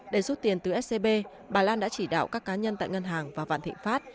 để rút tiền từ scb bà lan đã chỉ đạo các cá nhân tại ngân hàng và vạn thịnh pháp